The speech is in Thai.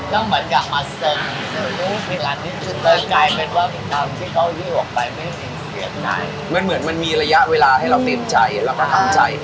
สมมุติว่าในเวลาที่เค้ายือออกไปไม่ต้องเสียในมันเหมือนมันมีระยะเวลาให้เราเต็มใจแล้วก็ทำใจ